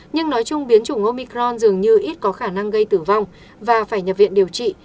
nhưng nói chung biến chủng omicron dường như ít có khả năng gây tử vong và phải nhập viện điều trị